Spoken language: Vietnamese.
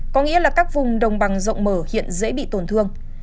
có nghĩa là các vùng đồng bằng rộng mở hiện dễ bị tổn thương